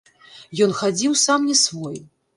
Ён хадзіў сам не свой.